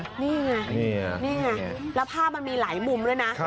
นี่ไงนี่ไงแล้วภาพมันมีหลายมุมด้วยนะ